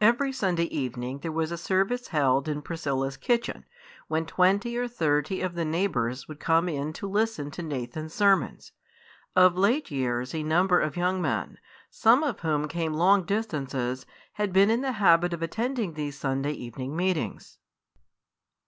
Every Sunday evening there was a service held in Priscilla's kitchen, when twenty or thirty of the neighbours would come in to listen to Nathan's sermons. Of late years a number of young men, some of whom came long distances, had been in the habit of attending these Sunday evening meetings.